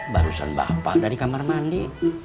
barusan bapak ada di kamar mandi